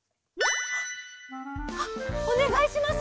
あっおねがいします。